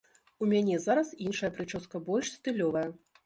У мяне зараз іншая прычоска, больш стылёвая.